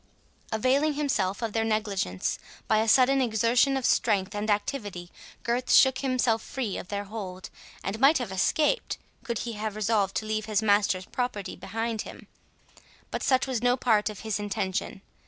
Availing himself of their negligence, by a sudden exertion of strength and activity, Gurth shook himself free of their hold, and might have escaped, could he have resolved to leave his master's property behind him. But such was no part of his intention.